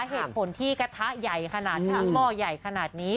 เหตุผลที่กระทะใหญ่ขนาดนี้หม้อใหญ่ขนาดนี้